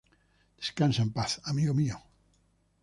Descansa en paz, amigo mío".